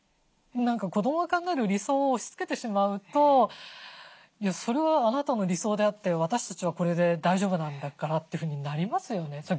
子どもが考える理想を押しつけてしまうと「それはあなたの理想であって私たちはこれで大丈夫なんだから」というふうになりますよね。